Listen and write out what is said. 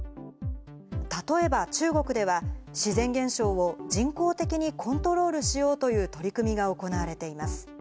例えば中国では、自然現象を人工的にコントロールしようという取り組みが行われています。